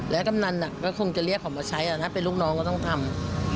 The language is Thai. กำนันก็คงจะเรียกเขามาใช้ถ้าเป็นลูกน้องก็ต้องทำ